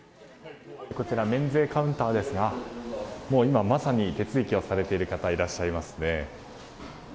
こちら、免税カウンターですが今まさに手続きをされている方いらっしゃいますね。